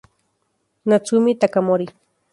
Natsumi Takamori